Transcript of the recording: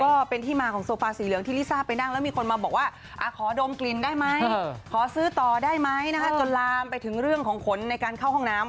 ก็เป็นที่มาของโซฟาสีเหลืองที่ลิซ่าไปนั่งแล้วมีคนมาบอกว่าขอดมกลิ่นได้ไหมขอซื้อต่อได้ไหมจนลามไปถึงเรื่องของขนในการเข้าห้องน้ำ